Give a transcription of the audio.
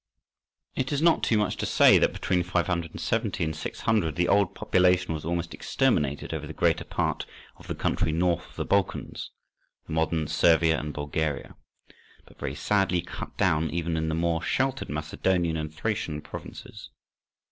It is not too much to say that between 570 and 600 the old population was almost exterminated over the greater part of the country north of the Balkans—the modern Servia and Bulgaria—and very sadly cut down even in the more sheltered Macedonian and Thracian provinces.